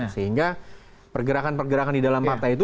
sehingga pergerakan pergerakan di dalam partai itu